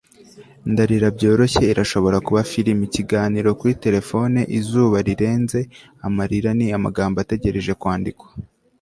ndarira byoroshye irashobora kuba firime, ikiganiro kuri terefone, izuba rirenze - amarira ni amagambo ategereje kwandikwa